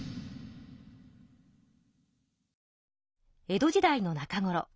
江戸時代の中ごろ